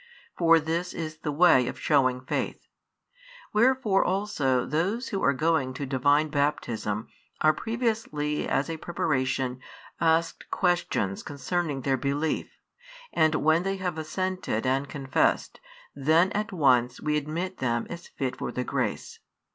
For this is the way of shewing faith. Wherefore also those who are going to Divine Baptism are previously as a preparation asked questions concerning their belief, and when they have assented and confessed, then at once we admit them as fit for the grace.